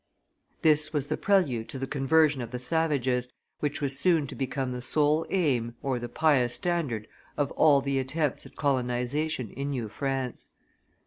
This was the prelude to the conversion of the savages, which was soon to become the sole aim or the pious standard of all the attempts at colonization in New France.